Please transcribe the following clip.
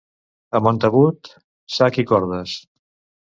A Montagut, sac i cordes.